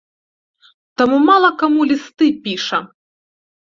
Таму мала каму лісты піша.